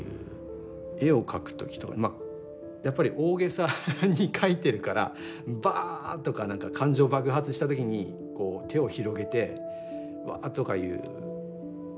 絵を描く時とかまやっぱり大げさに描いてるからバッとか何か感情爆発した時にこう手を広げて「ワ」とかいうふうにしたいわけです。